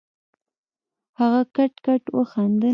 هغه کټ کټ وخندل.